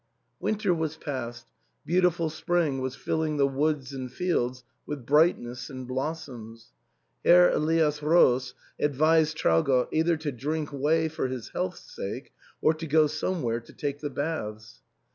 Winter was past; beautiful spring was filling the woods and fields with brightness and blossoms. Herr Elias Roos advised Traugott either to drink whey for his health's sake or to go somewhere to take the baths.